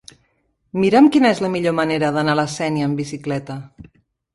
Mira'm quina és la millor manera d'anar a la Sénia amb bicicleta.